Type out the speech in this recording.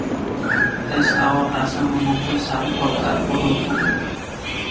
Tes awal Russell mengukur sampel tak berlekuk.